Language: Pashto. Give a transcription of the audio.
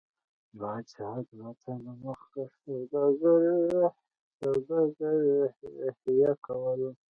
پاچا دوه تنه مخکښ سوداګر حیه کول.